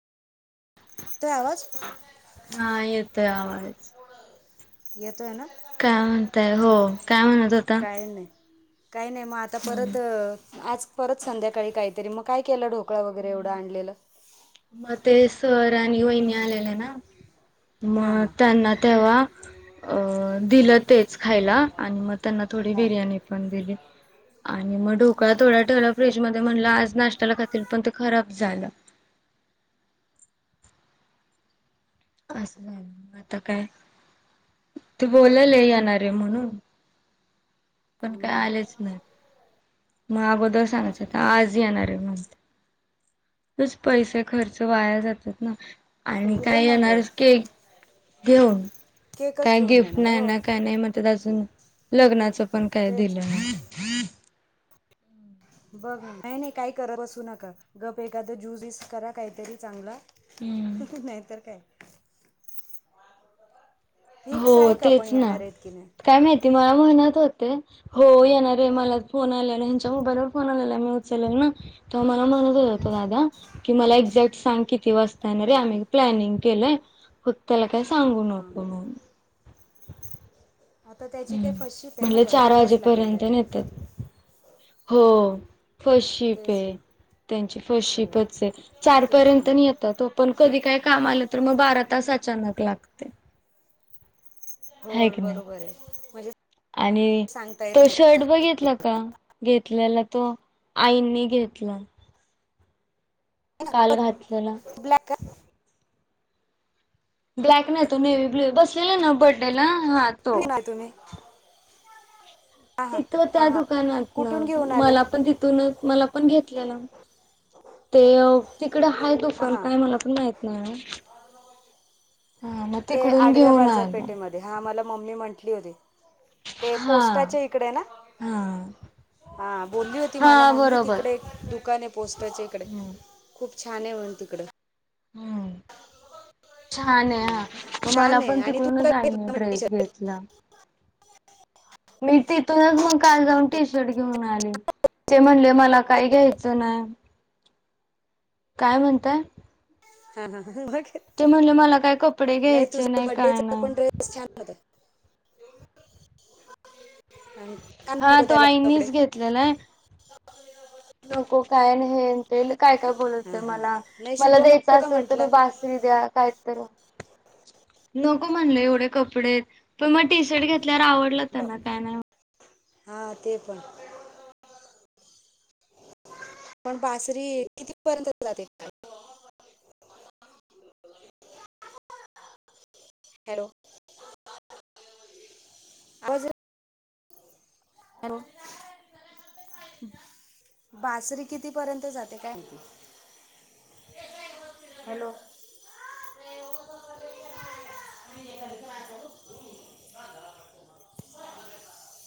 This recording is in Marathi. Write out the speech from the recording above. येतोय आवाज हा येतय आवाज येतोय ना काय म्हणताय हो काय म्हणत होता काय नाही काही नाही मग आता हम्म परत आज परत संध्याकाळी काहीतरी मग काय केलं डोक ह ते दादा वहिनी आले ना हां मग हां त्यांना तेव्हा दिलं तेच खायला आणि मग त्यांना थोडी बिर्याणी पण दिली ह आणि मग ढोकळा थोडा ठेवला फ्रीजमध्येध्ये म्हणलं आज नाश्त्याला खातील पण ते खराब झालं ह असं आता काय ते बोलायल येणारे म्हणून पण काय आलंच ना मग अबदल ते सांगायचंता आज येणार आहे म्हणत उगाच पैसे खर्च वाया जातात ना मस्त आणि तू हो काय ना गं येणारच के घेऊन केकच काय घेऊन गिफ्ट येणार नाही हो ना काय नाही म अजून लग्नाचं पण काय तेच दिलं नाही बघ नाही नाही काही करत बसू नका गप एखादं ज्यूस वस करा काहीतरी चांगला हम्म नाहीतर काय फिक्स आहे का आपण येणार आहेत की नाही ते मला म्हणत होते, हो येणार हाय मला फोन आलेला ह्यांच्या मोबाईलवर फोन आलेला. मी उचल तेव्हा मला म्हणत हो दादा कि हां मला एक्झॅक्ट सांग किती वाजता येणार हाय? हां आम्ही प्लॅनिंग केलंय. फक्त काय सांगू हां नको म्हणून. आता त्याची हम्म काही फर्स्ट शिप आहे ना, म्हटलं पण चार वेळच लागेल वाजेपर्यंत त्याला. नेतात हो फर्स्ट शिफ्ट तेच हे. ना त्यांची फर्स्ट हो शिफ्टच हाय चार तेच पर्यंत ना येतात ओ, पण कधी काय काम आलं तर मग बारा तास अचानक लागते. हो हाय की नाही? बरोबर आहे म्हणजे आणि सांगता येत तो नाही शर्ट बघितला का घेतलेला तो आईनी घेतला. काल घातलेला. ब्लॅक ब्लॅक नाही तो नेवी ब्लू बसलेला ना बर्थडेला हा तो. नाही तुम्ही हां हां तिथं त्या हां हां दुकानात ना कुठून घेऊन आले मला पण तिथूनच मला पण घेतलेलं. ते तिकडे हाय हां दुकान हां काय मला पण माहित नाही. हा मग ते तिकडून आडव्या घेऊन आलो बाजारपेठेमध्ये हा मला मम्मी म्हंटली होती. ते हा पोस्टाच्या इकडे ना? हा हा बोलली होती मला हा मम्मी. बरोबर तिकडे एक दुकान आहे पोस्टरचे इकडे. हम्म खूप छान आहे म्हण तिकडं. हम्म. छान आहे हा, हो मग मला छान आहे पण आणि तू तिकडूनच काय आईने घेतलं मग टी ड्रेस शर्ट घेतला. [inaudible] मी तिथूनच मग काल जाऊन टी शर्ट घेऊन आले. ते म्हणले मला काय घ्यायचं नाही. काय म्हणताय? हा, हा, हा, मग? ते म्हणले मला काय कपडे नाही घ्यायचे तुझा काय बड्डेचा पण नाही ड्रेस छान होता. का हा नको तो त्याला कपडे? आईनीच घेतलेला आहे नको काय नाही हे अन् ते काय काय बोलत हां होते हां मला. नाही मला ते शुभम द्यायचं नको का असेल तर म्हटला बासरी द्या. काय तर नको म्हणलं एवढे कपडे पण मग टी शर्ट घेत ल्यावर आवडला त्यांना. काय नाही म्ह हा ते पण पण बासरी कितीपर्यंत जाते. हॅलो. [unintelligible] हॅलो. बासरी कितीपर्यंत जाते काय? हॅलो. [unintelligible]